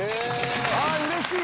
うれしい！